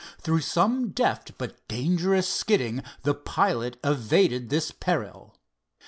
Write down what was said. Through some deft but dangerous skidding the pilot evaded this peril.